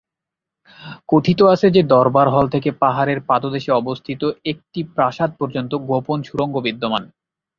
কথিত আছে যে দরবার হল থেকে পাহাড়ের পাদদেশে অবস্থিত একটি প্রাসাদ পর্যন্ত গোপন সুড়ঙ্গ বিদ্যমান।